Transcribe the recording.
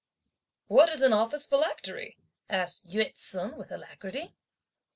"What is an office philactery?" asked Yü ts'un with alacrity.